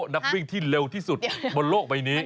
นักวิ่งที่เร็วที่สุดบนโลกใบนี้